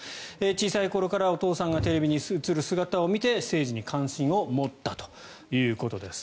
小さい頃からお父さんがテレビに映る姿を見て政治に関心を持ったということです。